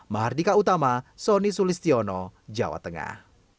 mahardika utama sonny sulistiono jawa tengah